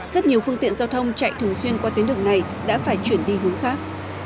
rất nhiều phương tiện giao thông chạy thường xuyên qua tuyến đường này đã phải chuyển đi hướng khác